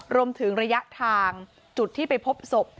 รวมถึงระยะทางจุดที่ไปพบศพ